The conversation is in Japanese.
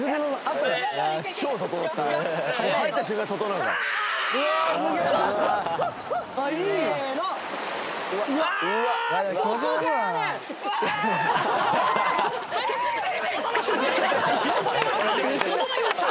ととのいました！